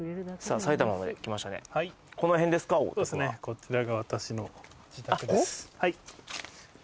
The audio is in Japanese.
こちらが私の自宅ですあっここ？